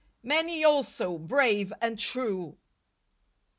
Many also, brave and true.